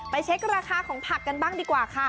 เช็คราคาของผักกันบ้างดีกว่าค่ะ